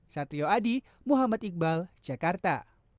satrio adi muhammad iqbal jakarta